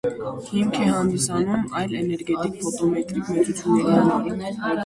Հիմք է հանդիսանում այլ էներգետիկ ֆոտոմետրիկ մեծությունների համար։